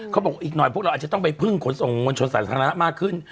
เขาบอกอีกหน่อยพวกเราอาจจะต้องไปพึ่งขนส่งมวลชนสาธารณะมากขึ้น